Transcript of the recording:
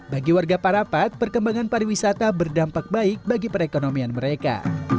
bagi warga parapat perkembangan pariwisata berdampak baik bagi perekonomian mereka